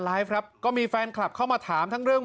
ครับก็มีแฟนคลับเข้ามาถามทั้งเรื่อง